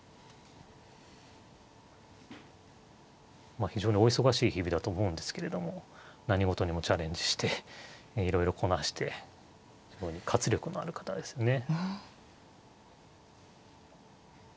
まあ非常にお忙しい日々だと思うんですけれども何事にもチャレンジしていろいろこなして活力のある方ですね。